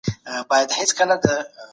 کمپيوټر ګوګل انلايټکس کاروي.